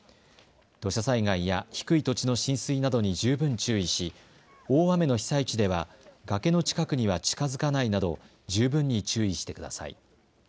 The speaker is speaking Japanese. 土砂災害や低い土地の浸水などに十分注意し大雨の被災地では崖の近くには近づかないなど十分に注意してください。